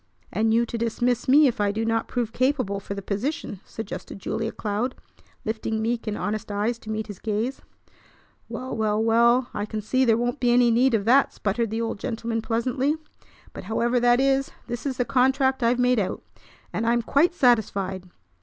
"And you to dismiss me if I do not prove capable for the position," suggested Julia Cloud, lifting meek and honest eyes to meet his gaze. "Well, well, well, I can see there won't be any need of that!" sputtered the old gentleman pleasantly. "But, however that is, this is the contract I've made out. And I'm quite satisfied.